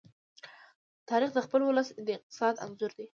تاریخ د خپل ولس د اقتصاد انځور دی.